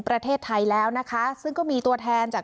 ประเทศไทยแล้วนะคะซึ่งก็มีตัวแทนจาก